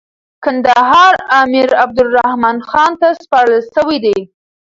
کندهار امیر عبدالرحمن خان ته سپارل سوی دی.